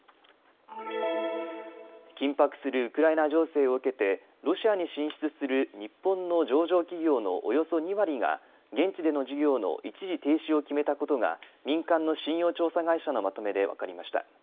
緊迫するウクライナ情勢を受けてロシアに進出する日本の上場企業のおよそ２割が現地での事業の一時停止を決めたことが民間の信用調査会社のまとめで分かりました。